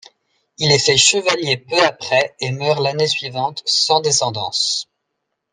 Il est fait chevalier peu après, et meurt l'année suivante, sans descendance.